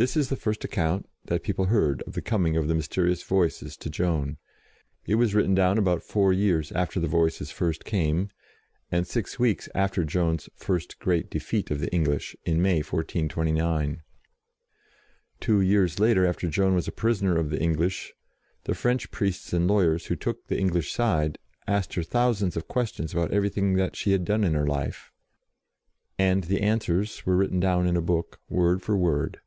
This is the first account that people heard of the coming of the mysterious Voices to Jeanne : it was written down about four years after the Voices first came, and six weeks after Joan's first great de feat of the English (in May 1429). Two years later, after Joan was a prisoner of the English, the French priests and lawyers who took the English side asked her thou sands of questions about everything that she had done in her life, and the answers were written down in a book, word for word.